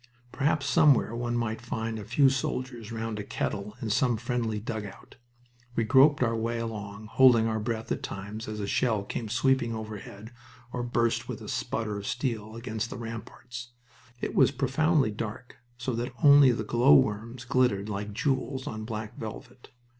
Perhaps somewhere one might find a few soldiers round a kettle in some friendly dugout. We groped our way along, holding our breath at times as a shell came sweeping overhead or burst with a sputter of steel against the ramparts. It was profoundly dark, so that only the glowworms glittered like jewels on black velvet.